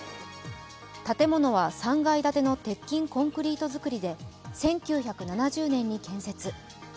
建物は３階建ての鉄筋コンクリート造りで１９７０年に建設。